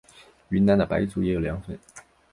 云南的白族也有凉粉。